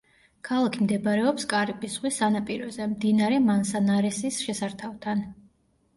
ქალაქი მდებარეობს კარიბის ზღვის სანაპიროზე, მდინარე მანსანარესის შესართავთან.